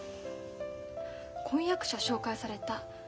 婚約者紹介された。